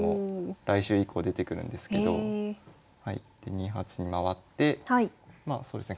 ２八に回ってまあそうですね